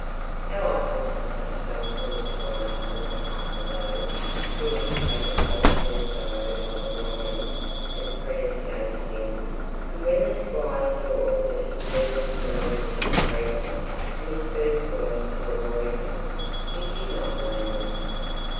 How often have such dumb thoughts gone up from the hearts of those who have taken hold of their sorrow by the wrong end, as prayers against sin! And when the Squire saw that his servants were learning to dread him, and his first born to avoid him, he did not blame them.